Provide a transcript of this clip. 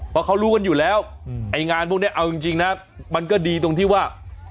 เพราะเขารู้กันอยู่แล้วไอ้งานพวกนี้เอาจริงนะมันก็ดีตรงที่ว่า